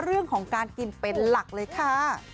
เรื่องของการกินเป็นหลักเลยค่ะ